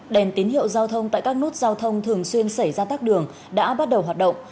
đèn tín hiệu giao thông tại các nút giao thông thường xuyên xảy ra tắc đường đã bắt đầu hoạt động